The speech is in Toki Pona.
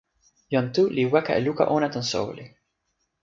jan Tu li weka e luka ona tan soweli.